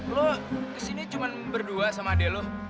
eh lo kesini cuma berdua sama adik lo